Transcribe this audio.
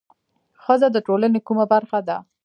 ښځه د ټولنې کومه برخه ده؟